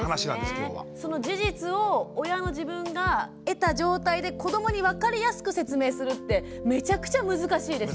その事実を親の自分が得た状態で子どもに分かりやすく説明するってめちゃくちゃ難しいですよね。